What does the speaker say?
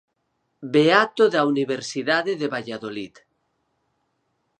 Beato da Universidade de Valladolid.